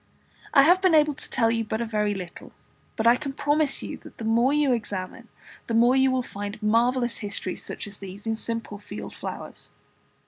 I have been able to tell you but very little, but I can promise you that the more you examine, the more you will find marvellous histories such as these in simple field flowers.